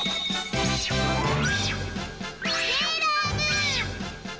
セーラームーン！